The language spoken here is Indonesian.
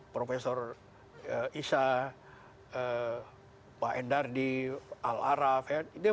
profesor isya pak endardi al araf